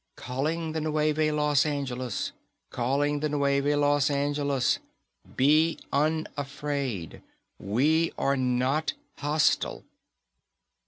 _Calling the Neuve Los Angeles. Calling the Neuve Los Angeles. Be unafraid. We are not hostile.